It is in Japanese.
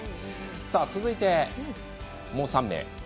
続いて、もう３名。